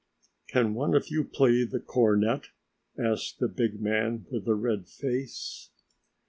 "Can one of you play the cornet?" asked the big man with the red face.